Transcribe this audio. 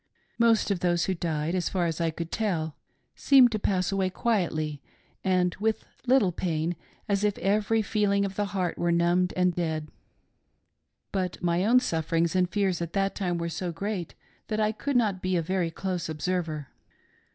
Most of those who died, as far as I could tell, seemed to pass away quietly and with little pain, as if every feeling of the heart were numbed and dead. But my own sufferings and fears at that time were so great that I could not be a very close observer.